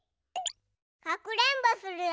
かくれんぼするよ。